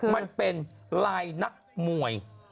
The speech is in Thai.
มันเป็นลายนักมวย